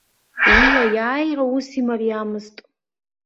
Уи аиааира ус имариамызт.